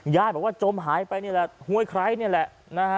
ย่าบอกว่าจมหายไปนี่แหละฮวยใคร้นี่แหละ